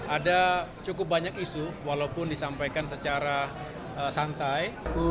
ada cukup banyak isu walaupun disampaikan secara santai